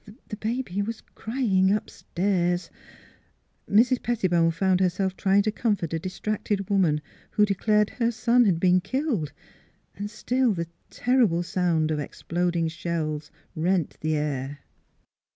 ... The baby was crying upstairs. ... Mrs. Pettibone found herself trying to com fort a distracted woman, who declared that her son had been killed. ... And still the terrible sounds of exploding shells rent the air.